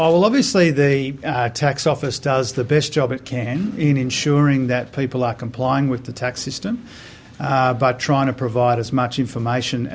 mereka mencoba untuk melakukan